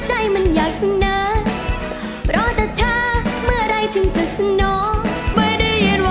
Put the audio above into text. ไปยังไงครับน้องปาน